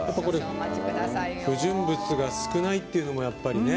不純物が少ないというのもね